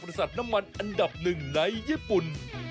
จากฝนศัตริย์น้ำมันอันดับหนึ่งในญี่ปุ่น